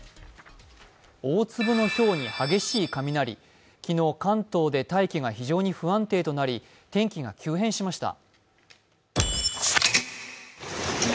大粒のひょうに激しい雷、昨日、関東で大気が非常に不安定となり天気が急変しました。